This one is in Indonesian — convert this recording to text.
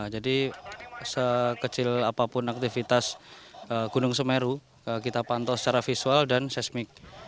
jadi sekecil apapun aktivitas gunung semeru kita pantau secara visual dan seismik